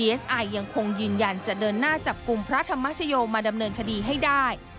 เอสไอยังคงยืนยันจะเดินหน้าจับกลุ่มพระธรรมชโยมาดำเนินคดีให้ได้